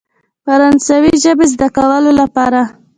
فرانسوي ژبې زده کولو لپاره.